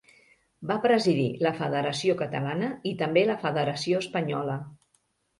Va presidir la Federació Catalana i també la Federació Espanyola.